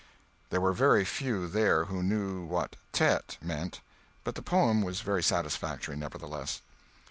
There were very few there who knew what "tete" meant, but the poem was very satisfactory, nevertheless.